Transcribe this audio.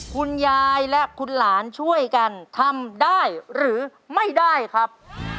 คุณยายและคุณหลานช่วยกันทำได้หรือไม่ได้ครับ